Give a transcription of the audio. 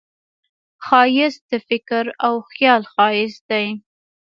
ښایست د فکر او خیال ښایست دی